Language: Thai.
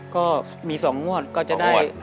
ก็มี๒งวดก็จะได้